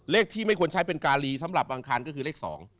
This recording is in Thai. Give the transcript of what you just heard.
เลขที่ไม่ควรใช้เป็นการีสำหรับบางคันก็คือเลข๒